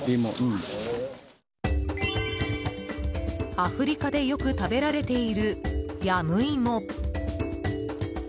アフリカでよく食べられているヤムイモ。